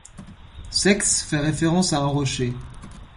Sex fait référence à un rocher.